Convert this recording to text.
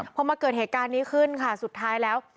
พอมาเกิดเหตุการณ์นี้ขึ้นค่ะสุดท้ายแล้ว